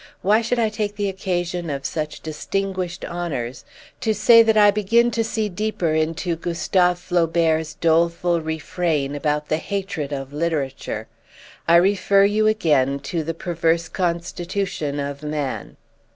Why should I take the occasion of such distinguished honours to say that I begin to see deeper into Gustave Flaubert's doleful refrain about the hatred of literature? I refer you again to the perverse constitution of man.